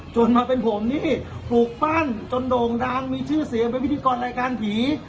จนมาเป็นผมนี่ปลูกปั้นจนโด่งดังมีชื่อเสียงเป็นพิธีกรรายการผี